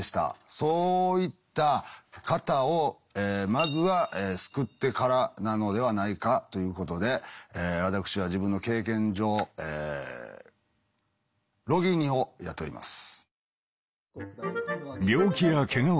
そういった方をまずは救ってからなのではないかということで私は自分の経験上ロギニを雇います。